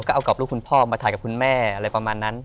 ก็เอากับลูกคุณพ่อมาถ่ายกับคุณแม่อะไรประมาณนั้น